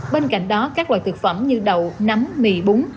bên cạnh đó các loại thực phẩm như đậu nấm mì búng